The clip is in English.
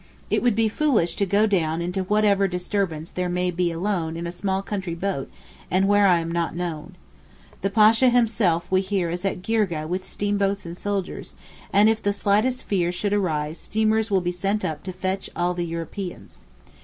It would be foolish to go down into whatever disturbance there may be alone in a small country boat and where I am not known. The Pasha himself we hear is at Girgeh with steamboats and soldiers, and if the slightest fear should arise steamers will be sent up to fetch all the Europeans.